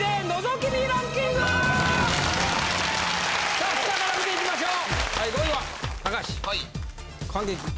さあ下から見ていきましょう！